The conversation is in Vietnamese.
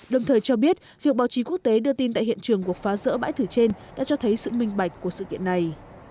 đồng thời cho biết việc báo chí quốc tế đưa tin tại hiện trường cuộc phá rỡ bãi thử trên đã cho thấy sự minh bạch của sự kiện này